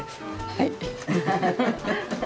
はい。